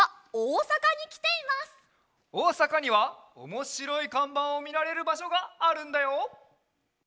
おおさかにはおもしろいかんばんをみられるばしょがあるんだよ。